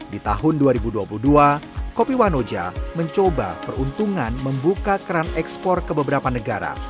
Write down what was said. di tahun dua ribu dua puluh dua kopi wanoja mencoba peruntungan membuka keran ekspor ke beberapa negara